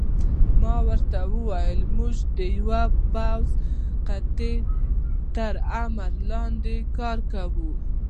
ما ورته وویل: موږ د یوې پوځي قطعې تر امر لاندې کار کوو.